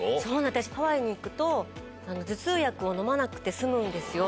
私、ハワイに行くと、頭痛薬を飲まなくて済むんですよ。